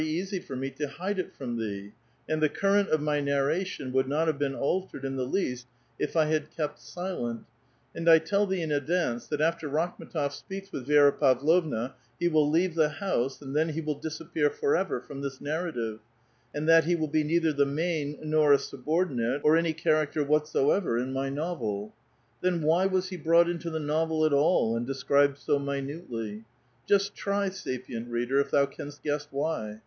easy for me to hide it from thee, and the current of my nar ration would not have been altered in the least if I had kept silent; and 1 tell thee in advance, that after Rakhm^tof speaks with Vi^ra Pavlovna, he will leave the house, and then he will disappear forever from this narrative ; and that he will be neither the main nor a subordinate^ or any charac ter whatsoever in my novel. Then why was he brought into the novel at all, and described so minutely ? Just try, sapieut reader, if thou canst guess why.